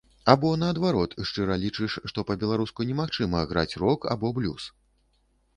Або, наадварот, шчыра лічыш, што па-беларуску немагчыма граць рок або блюз?